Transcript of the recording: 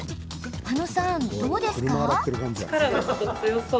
羽野さん、どうですか？